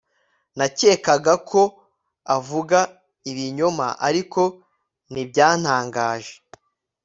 Nakekaga ko avuga ibinyoma ariko ntibyantangaje